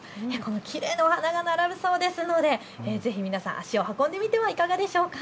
きれいなお花が並ぶそうですのでぜひ皆さん、足を運んでみてはいかがでしょうか。